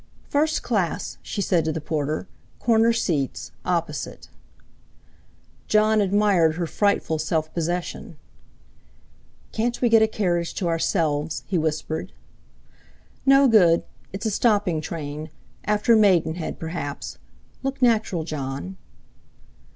"First class," she said to the porter, "corner seats; opposite." Jon admired her frightful self possession. "Can't we get a carriage to ourselves," he whispered. "No good; it's a stopping train. After Maidenhead perhaps. Look natural, Jon."